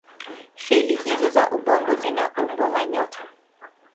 Seli hizO za ubongo zina umbo la nyota.